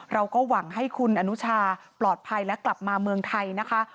เราก็หวังให้คุณอนุชาปลอดภัยและกลับมาเมืองไทยนะคะ